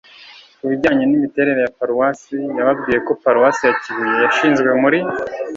ku bijyanye n'imiterere ya paruwasi, yababwiye ko paruwasi ya kibuye yashinzwe muri